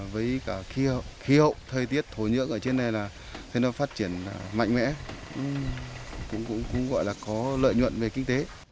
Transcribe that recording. với khí hậu thời tiết thổ nhưỡng ở trên này phát triển mạnh mẽ cũng gọi là có lợi nhuận về kinh tế